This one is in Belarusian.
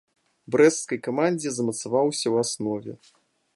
У брэсцкай камандзе замацаваўся ў аснове.